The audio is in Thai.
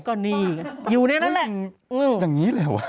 ก็นีอยู่ในนั้นแหละ